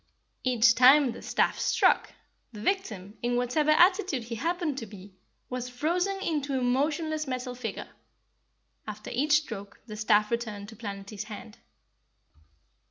Each time the staff struck, the victim, in whatever attitude he happened to be, was frozen into a motionless metal figure. After each stroke the staff returned to Planetty's hand.